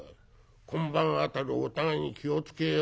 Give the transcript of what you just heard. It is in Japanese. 今晩辺りお互いに気を付けようよ。